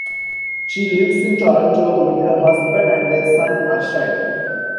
She lives in Toronto with her husband and their son, Arshile.